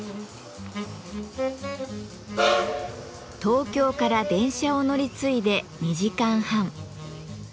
東京から電車を乗り継いで２時間半。